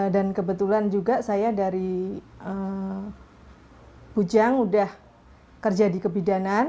dan kebetulan juga saya dari pujang udah kerja di kebidanan